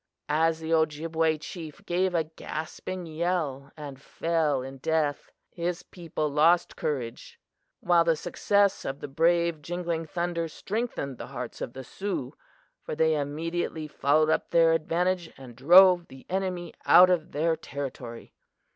As the Ojibway chief gave a gasping yell and fell in death, his people lost courage; while the success of the brave Jingling Thunder strengthened the hearts of the Sioux, for they immediately followed up their advantage and drove the enemy out of their territory.